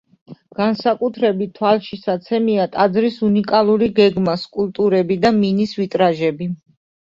განსაკუთრებით თვალშისაცემია ტაძრის უნიკალური გეგმა, სკულპტურები და მინის ვიტრაჟები.